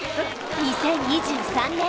２０２３年